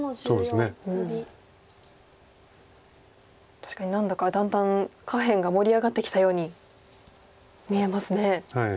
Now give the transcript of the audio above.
確かに何だかだんだん下辺が盛り上がってきたように見えますね。